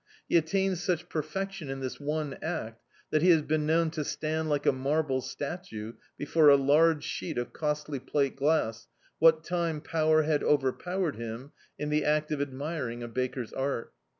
He attains such perfection in this one act that he has been known to stand like a marble statue before a large sheet of costly plate glass, what time sleep had overpowered him in the act of admiring a baker's art.